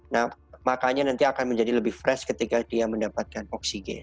nah makanya nanti akan menjadi lebih fresh ketika dia mendapatkan oksigen